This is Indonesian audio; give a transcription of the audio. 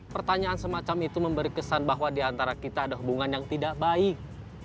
pertanyaan semacam itu memberi kesan bahwa diantara kita ada hubungan yang tidak baik